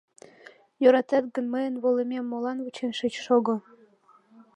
Йӧратет гын, мыйын волымем молан вучен шыч шого?